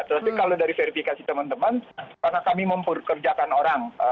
tapi kalau dari verifikasi teman teman karena kami memperkerjakan orang